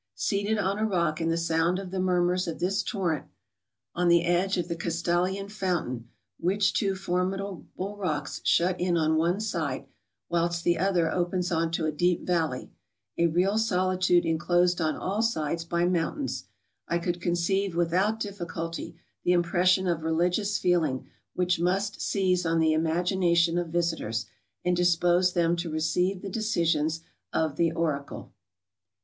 ... Seated on a rock in the sound of the murmurs of this torrent, on the edge of the Castalian fountain, which two formidable rocks shut in on one side, whilst the other opens on to a deep valley—a real solitude enclosed on all sides by mountains, I could conceive without difficulty the impression of religious feeling which must seize on the imagination of visitors, and dispose them to receive the decisions ot the oracle.